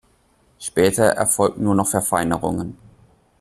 Später erfolgten nur noch Verfeinerungen.